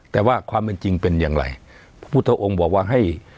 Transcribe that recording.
แต่ว่าความเป็นจริงเป็นอย่างไรพุทธองค์บอกว่าให้